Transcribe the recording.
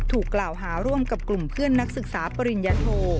ถูกกล่าวหาร่วมกับกลุ่มเพื่อนนักศึกษาปริญญโท